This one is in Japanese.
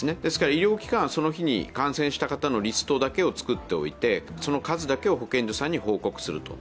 医療機関はその日に感染した人のリストだけを作っておいて、その数だけを保健所さんに報告すると。